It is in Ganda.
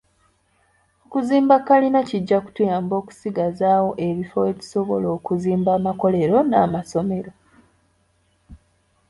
Okuzimba kalina kijja kutuyamba okusigazaawo ebifo we tusobola okuzimba amakolero n’amasomero.